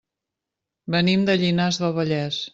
Venim de Llinars del Vallès.